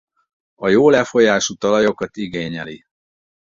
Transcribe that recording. A jó lefolyású talajokat igényeli.